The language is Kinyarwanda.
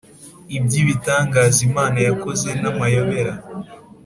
iby ibitangaza Imana yakoze namayobera